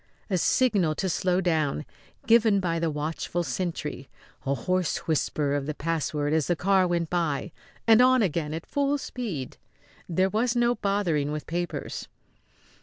A signal to slow down, given by the watchful sentry, a hoarse whisper of the password as the car went by, and on again at full speed. There was no bothering with papers.